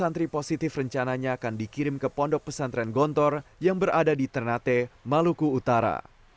dan dikirim ke pondok pesantren gontor yang berada di ternate maluku utara